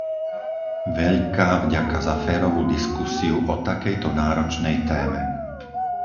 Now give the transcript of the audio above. Veľká vďaka za férovú diskusiu o takejto náročnej téme!